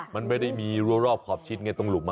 มันไม่ได้มีรัวรอบขอบชิดไงตรงหลุม